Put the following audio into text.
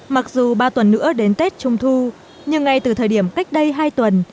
mặc dù ba tuần nữa đến tết trung thu nhưng ngay từ thời điểm cách đây hai tuần